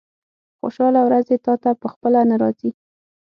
خوشاله ورځې تاته په خپله نه راځي.